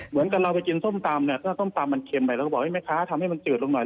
เหมือนกับเราไปกินส้มตำเนี่ยก็ส้มตำมันเค็มไปเราก็บอกแม่ค้าทำให้มันจืดลงหน่อย